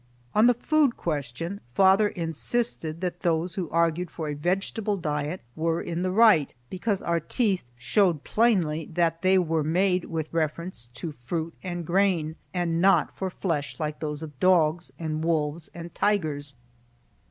On the food question father insisted that those who argued for a vegetable diet were in the right, because our teeth showed plainly that they were made with reference to fruit and grain and not for flesh like those of dogs and wolves and tigers.